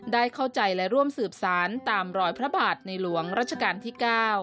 ได้เข้าใจและร่วมสืบสารตามรอยพระบาทในหลวงรัชกาลที่๙